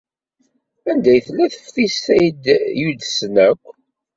Anda tella teftist ay d-yudsen akk?